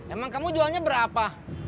emang kamu jualnya berapa